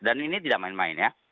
dan ini tidak main main ya